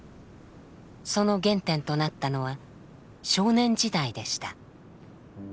その原点となったのは少年時代でした。